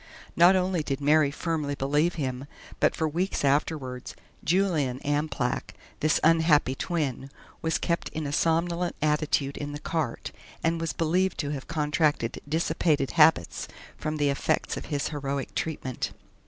Not only did Mary firmly believe him, but for weeks afterwards "Julian Amplach" this unhappy twin was kept in a somnolent attitude in the cart, and was believed to have contracted dissipated habits from the effects of his heroic treatment.